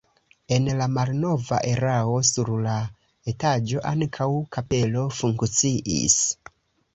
En la malnova erao sur la etaĝo ankaŭ kapelo funkciis.